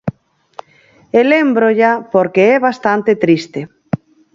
E lémbrolla porque é bastante triste.